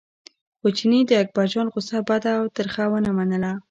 خو چیني د اکبرجان غوسه بده او تریخه ونه منله.